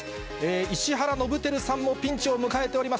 石原伸晃さんもピンチを迎えております。